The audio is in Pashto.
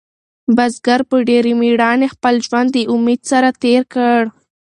بزګر په ډېرې مېړانې خپل ژوند د امید سره تېر کړ.